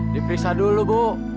dipiksa dulu bu